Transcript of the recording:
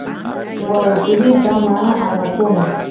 waa utulita mana armakunan